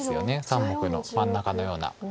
３目の真ん中のような。